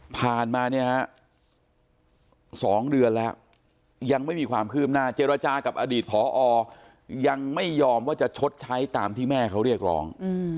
ผ่านมาเนี่ยฮะ๒เดือนแล้วยังไม่มีความคืบหน้าเจรจากับอดีตพอยังไม่ยอมว่าจะชดใช้ตามที่แม่เขาเรียกร้อง